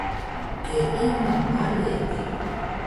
Keeman bale di